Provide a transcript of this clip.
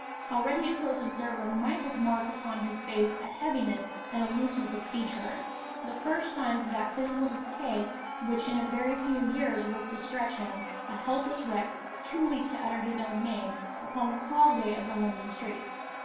Already a close observer might have marked upon his face a heaviness and looseness of feature, the first signs of that physical decay which in a very few years was to stretch him, a helpless wreck, too weak to utter his own name, upon the causeway of the London streets.